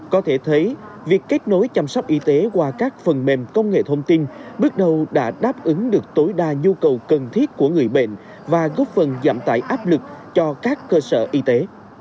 có thể thấy việc kết nối chăm sóc y tế qua các phần mềm công nghệ thông tin bước đầu đã đáp ứng được tối đa nhu cầu cần thiết của người bệnh và góp phần giảm tải áp lực cho các cơ sở y tế